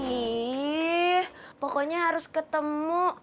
ih pokoknya harus ketemu